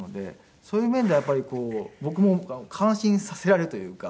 そういう面ではやっぱり僕も感心させられるというか。